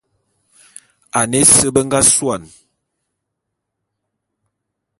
Ane ese be nga suane.